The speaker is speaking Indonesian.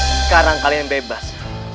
sekarang kalian bebas